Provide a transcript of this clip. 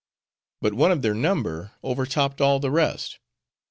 But one of their number overtopped all the rest.